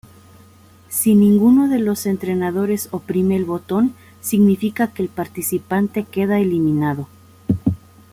Si ninguno de los entrenadores oprime el botón, significa que el participante queda eliminado.